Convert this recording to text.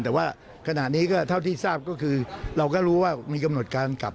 แต่ว่าขณะนี้ก็เท่าที่ทราบก็คือเราก็รู้ว่ามีกำหนดการกลับ